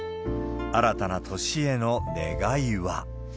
新たな年への願いは。